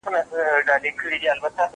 زه بايد مېوې وچوم!!